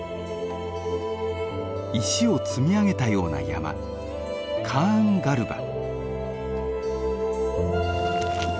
石を積み上げたような山カーンガルバ。